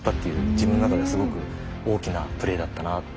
自分の中ですごく大きなプレイだったなって